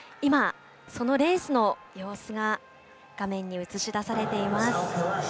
そのレースの様子が画面に映し出されています。